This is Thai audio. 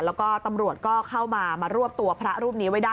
แล้วก็ตำรวจก็เข้ามามารวบตัวพระรูปนี้ไว้ได้